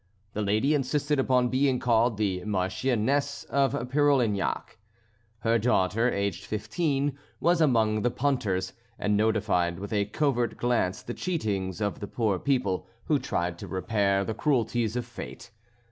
The lady insisted upon being called the Marchioness of Parolignac. Her daughter, aged fifteen, was among the punters, and notified with a covert glance the cheatings of the poor people who tried to repair the cruelties of fate.